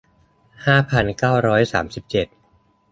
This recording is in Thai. ห้าพันเก้าร้อยสามสิบเจ็ด